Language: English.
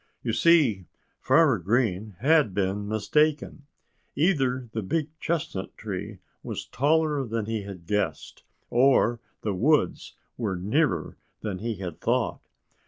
You see, Farmer Green had been mistaken. Either the big chestnut tree was taller than he had guessed, or the woods were nearer than he had thought.